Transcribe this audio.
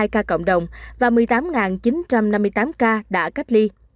một mươi ba sáu trăm chín mươi hai ca cộng đồng và một mươi tám chín trăm năm mươi tám ca đã cách ly